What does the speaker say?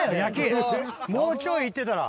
もうちょいいってたら。